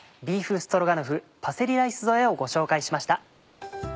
ビーフストロガノフパセリライス添えをご紹介しました。